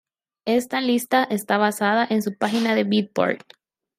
Esta lista está basada en su página de beatport.